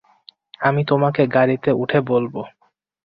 আমি তোমাকে গাড়িতে উঠে বলব।